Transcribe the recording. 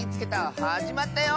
はじまったよ！